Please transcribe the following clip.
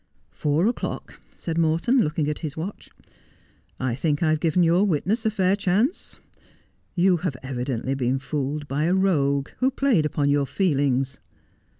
' Four o'clock,' said Morton, looking at his watch. ' I think I have given your witness a fair chance. You have evidently been fooled by a rogue, who played upon your feelings.